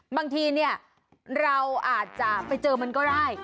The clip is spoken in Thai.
บางทีเนี่ยเราอาจจะไปเจอมันก็ได้